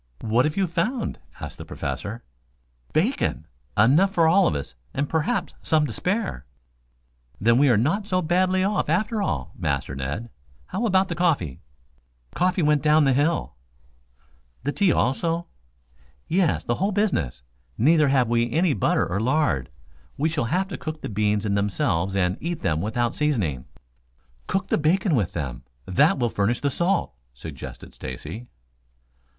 "What have you found?" asked the Professor. "Bacon. Enough for all of us and perhaps some to spare." "Then, we are not so badly off after all, Master Ned. How about the coffee?" "Coffee went down the hill." "The tea also?" "Yes. The whole business. Neither have we any butter or lard. We shall have to cook the beans in themselves and eat them without seasoning." "Cook the bacon with them. That will furnish the salt," suggested Stacy.